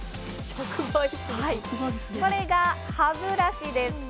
それが歯ブラシです。